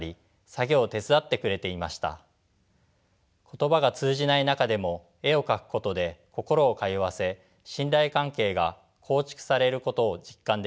言葉が通じない中でも絵を描くことで心を通わせ信頼関係が構築されることを実感できました。